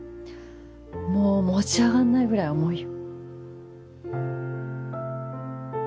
もう持ち上がんないくらい重いよ。